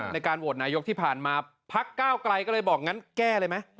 ในการโหวตนายกที่ผ่านมาพักก้าวไกลก็เลยบอกงั้นแก้เลยไหม